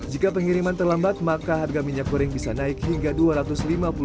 jika pengiriman terlambat maka harga minyak goreng bisa naik hingga rp dua ratus lima puluh